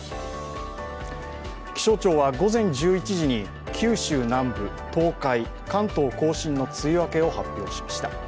気象庁は午前１１時に九州南部、東海、関東甲信の梅雨明けを発表しました。